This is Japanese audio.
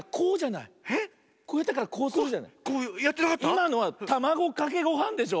いまのはたまごかけごはんでしょ。